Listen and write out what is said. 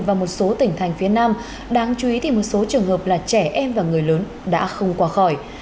và một số tỉnh thành phía nam đáng chú ý thì một số trường hợp là trẻ em và người lớn đã không qua khỏi